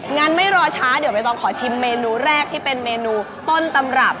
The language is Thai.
งั้นไม่รอช้าเดี๋ยวใบตองขอชิมเมนูแรกที่เป็นเมนูต้นตำรับ